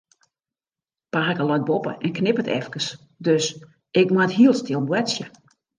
Pake leit boppe en knipperet efkes, dus ik moat hiel stil boartsje.